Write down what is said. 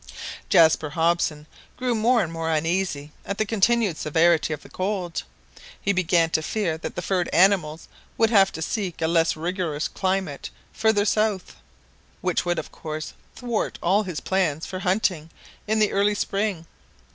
Jaspar Hobson grew more and more uneasy at the continued severity of the cold. He began to fear that the furred animals would have to seek a less rigorous climate further south, which would of course thwart all his plans for hunting in the early spring.